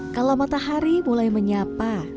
kalau matahari mulai menyapa